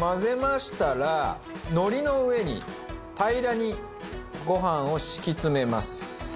混ぜましたら海苔の上に平らにご飯を敷き詰めます。